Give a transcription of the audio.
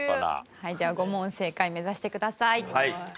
はいじゃあ５問正解目指してください。